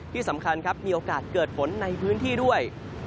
ที่สำคัญครับมีโอกาสเกิดฝนในพื้นที่ด้วย